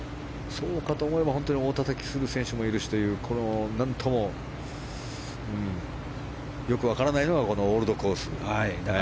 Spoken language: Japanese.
そうかと思えば大たたきする選手もいるという何とも、よく分からないのがこのオールドコース。